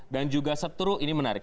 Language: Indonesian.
dan juga seturu ini menarik